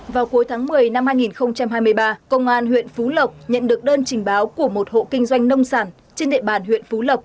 vào cuối tháng một mươi năm hai nghìn hai mươi ba công an huyện phú lộc nhận được đơn trình báo của một hộ kinh doanh nông sản trên địa bàn huyện phú lộc